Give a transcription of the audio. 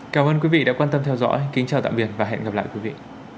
cảm ơn quý vị đã quan tâm theo dõi kính chào tạm biệt và hẹn gặp lại quý vị